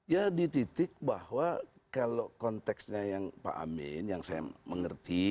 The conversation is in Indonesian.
ya di titik bahwa kalau konteksnya yang pak amin yang saya mengerti